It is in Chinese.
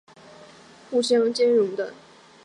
因此离散空间的不同概念是相互兼容的。